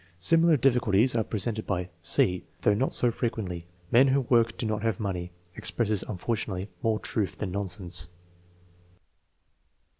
Similar difficulties are presented by (c), though not so fre quently. " Men who work do not have money " expresses, unfortunately, more truth than nonsense.